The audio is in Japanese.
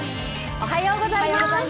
おはようございます。